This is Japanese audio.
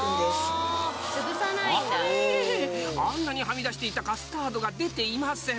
あれ⁉あんなにはみ出していたカスタードが出ていません。